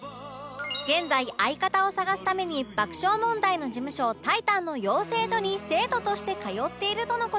現在相方を探すために爆笑問題の事務所タイタンの養成所に生徒として通っているとの事